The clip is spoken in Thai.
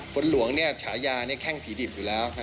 ฝนหลวงฉายาแข้งผีดิบอยู่แล้ว